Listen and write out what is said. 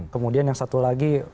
kemudian yang satu lagi